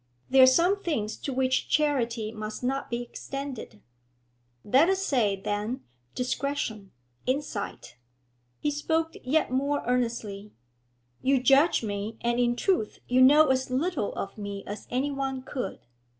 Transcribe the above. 'There are some things to which charity must not be extended.' 'Let us say, then, discretion, insight.' He spoke yet more earnestly. 'You judge me, and, in truth, you know as little of me as anyone could.